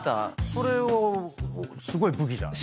それはすごい武器じゃない。